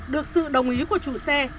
được sự đồng ý của chủ xe